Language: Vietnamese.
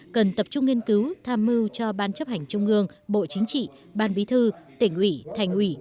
cần tập trung nghiên cứu tham mưu cho ban chấp hành trung ương bộ chính trị ban bí thư tỉnh ủy thành ủy